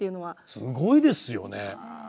すごいですよね。